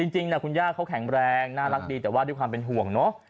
จริงคุณย่าเขาแข็งแรงน่ารักดีแต่ว่าด้วยความเป็นห่วงเนอะ